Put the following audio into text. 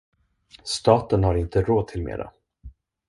Staten har inte råd till mera.